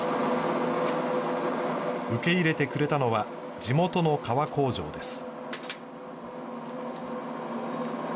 受け入れてくれたのは、地元の革工場です。